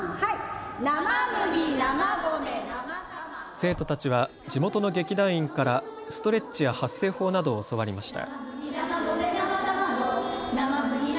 生徒たちは地元の劇団員からストレッチや発声法などを教わりました。